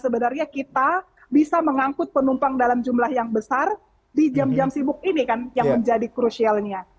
karena sebenarnya kita bisa mengangkut penumpang dalam jumlah yang besar di jam jam sibuk ini kan yang menjadi crucialnya